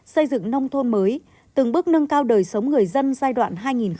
xây dựng nông thôn mới từng bước nâng cao đời sống người dân giai đoạn hai nghìn một mươi một hai nghìn một mươi năm